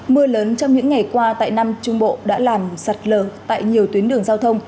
mưa lớn trong những ngày qua tại nam trung bộ đã làm sạt lờ tại nhiều tuyến đường giao thông